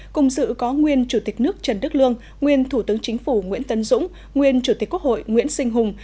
cùng dự có nguyên chủ tịch nước trần đức lương nguyên thủ tướng chính phủ nguyễn tấn dũng nguyên chủ tịch quốc hội nguyễn sinh hùng